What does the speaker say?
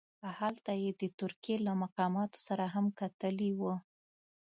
هلته یې د ترکیې له مقاماتو سره هم کتلي وه.